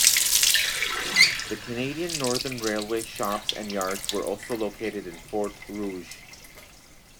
The Canadian Northern Railway shops and yards were also located in Fort Rouge.